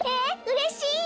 うれしい！